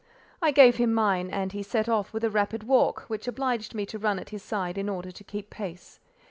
I gave him mine, and he set off with a rapid walk, which obliged me to run at his side in order to keep pace.